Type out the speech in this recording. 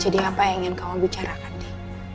jadi apa yang ingin kamu bicarakan di